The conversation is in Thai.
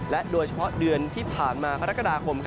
โดยเฉพาะเดือนที่ผ่านมากรกฎาคม